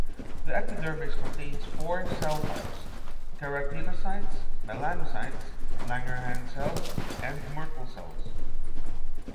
The epidermis contains four cell types: keratinocytes, melanocytes, Langerhans cells, and Merkel cells.